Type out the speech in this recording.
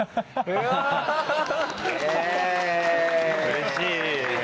・うれしい！